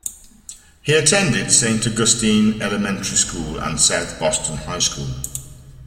He attended Saint Augustine Elementary School and South Boston High School.